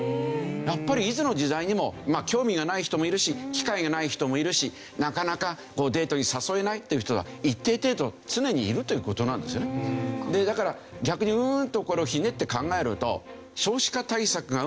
やっぱりいつの時代にも興味がない人もいるし機会がない人もいるしなかなかデートに誘えないっていう人はだから逆にうーんとこれをひねって考えると。